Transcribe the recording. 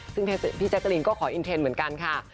ซึ่งพี่แจ๊กกะลินก็ขออินเทนเหมือนกันค่ะ